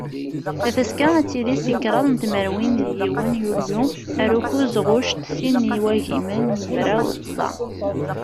Tafaska ad tili seg kraḍ n tmerwin d yiwen yulyu ar ukuẓ ɣuct sin n wagimen d mraw d tẓa.